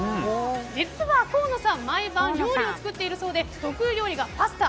実は河野さんは毎晩料理を作っているそうで得意料理がパスタ。